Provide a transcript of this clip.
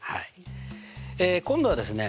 え今度はですね